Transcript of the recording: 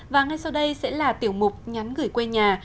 và ngay sau đây sẽ là tiểu mục nhắn gửi quê nhà